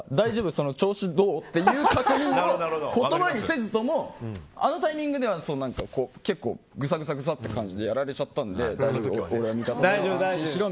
調子どう？っていう確認を言葉にせずともあのタイミングでは結構ぐさぐさって感じでやられちゃったんで大丈夫、俺は味方だよ、安心しろ。